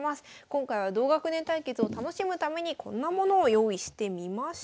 今回は同学年対決を楽しむためにこんなものを用意してみました。